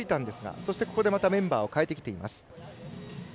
そしてまたメンバーを代えてきています。